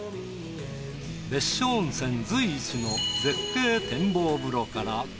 別所温泉随一の絶景展望風呂から。